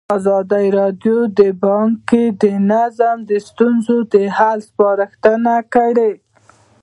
ازادي راډیو د بانکي نظام د ستونزو حل لارې سپارښتنې کړي.